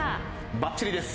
ばっちりです。